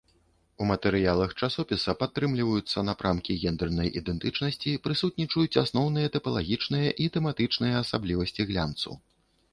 У матэрыялах часопіса падтрымліваюцца напрамкі гендэрнай ідэнтычнасці, прысутнічаюць асноўныя тыпалагічныя і тэматычныя асаблівасці глянцу.